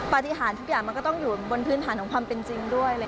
ปฏิหารทุกอย่างมันก็ต้องอยู่บนพื้นฐานของความเป็นจริงด้วย